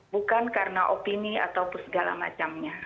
bukan karena opini ataupun segala macamnya